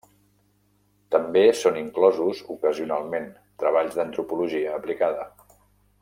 També són inclosos ocasionalment treballs d'antropologia aplicada.